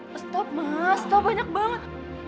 mas toppa mas toppa banyak banget